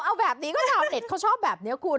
เขาดาวแบบนี้ข้าวเน็ตเค้าชอบแบบเนี๊ยะคุณ